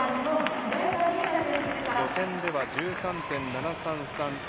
予選では１３．７３３。